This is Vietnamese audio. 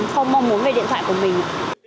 không mong muốn về điện thoại của mình